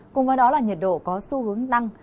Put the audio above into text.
cùng với đó là nhiệt độ có xu hướng tăng